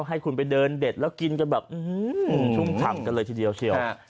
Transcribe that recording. ให้คุณไปเดินเด็ดแล้วกินกันแบบชุ่มฉ่ำกันเลยทีเดียวเชียว